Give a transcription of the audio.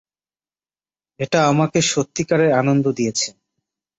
এটা আমাকে সত্যিকারের আনন্দ দিয়েছে।